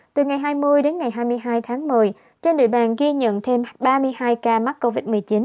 từ ngày hai mươi đến ngày hai mươi hai tháng một mươi trên địa bàn ghi nhận thêm ba mươi hai ca mắc covid một mươi chín